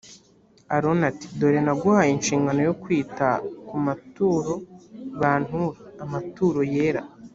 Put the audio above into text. aroni ati dore naguhaye inshingano yo kwita ku maturo bantura amaturo yera